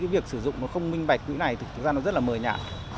việc sử dụng không minh bạch quỹ này thực ra rất mờ nhã